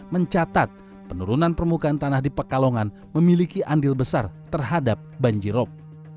mencatat penurunan permukaan tanah di pekalongan memiliki andil besar terhadap banjirop